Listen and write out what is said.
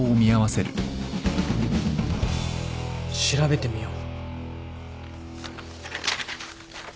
調べてみよう。